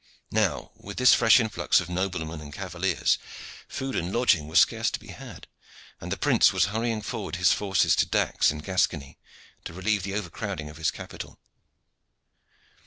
Now, with this fresh influx of noblemen and cavaliers, food and lodging were scarce to be had, and the prince was hurrying forward his forces to Dax in Gascony to relieve the overcrowding of his capital.